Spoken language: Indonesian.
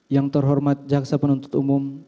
yang terhormat jaksa penuntut umum